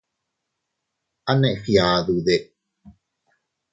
¿A neʼe fgiadude?